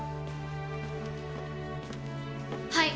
はい。